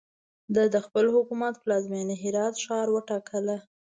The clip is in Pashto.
ده د خپل حکومت پلازمینه هرات ښار وټاکله.